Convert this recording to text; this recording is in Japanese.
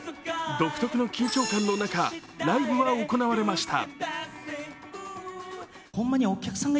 独特の緊張感の中ライブは行われました。